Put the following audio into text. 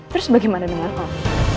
terus bagaimana dengan om